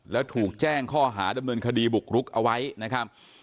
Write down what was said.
แล้วถูกแจ้งข้อหาดำเนินคดีบุกรุกเอาไว้นะครับ